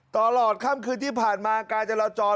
ตลอดค่ำคืนที่ผ่านมาการจราจร